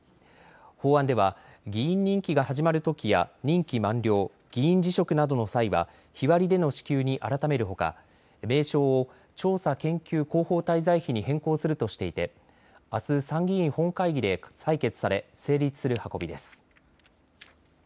法案では議員任期が始まるときや任期満了、議員辞職などの際は日割りでの支給に改めるほか名称を調査研究広報滞在費に変更するとしていてあす参議院本会議で採決され、成立する運びです。